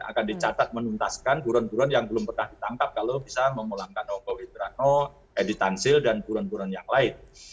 akan dicatat menuntaskan buron buron yang belum pernah ditangkap kalau bisa memulangkan nongko widrano edi tansil dan buron buron yang lain